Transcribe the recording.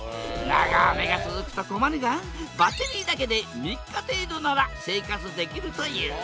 長雨が続くと困るがバッテリーだけで３日程度なら生活できるという。